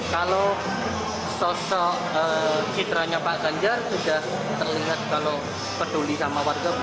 kalau sosok citranya pak ganjar sudah terlihat kalau peduli sama warga